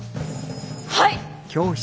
はい！